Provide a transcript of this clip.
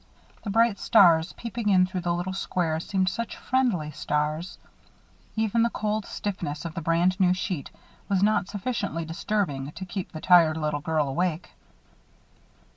The bright stars peeping in through the little square seemed such friendly stars. Even the cold stiffness of the brand new sheet was not sufficiently disturbing to keep the tired little girl awake.